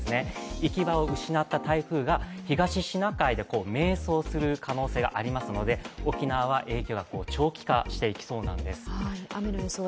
行き場を失った台風が東シナ海で迷走する可能性がありますので、沖縄は影響が長期化していきそうなんです。